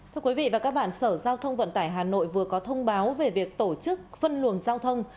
thưa quý vị và các bạn sở giao thông vận tải hà nội vừa có thông báo về việc tổ chức phân luồng giao thông